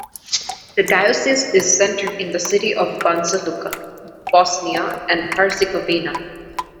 The diocese is centred in the city of Banja Luka, Bosnia and Herzegovina.